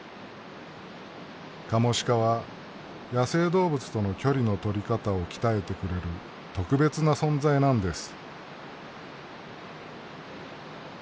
カモシカは野生動物との距離の取り方を鍛えてくれる特別な存在なんです。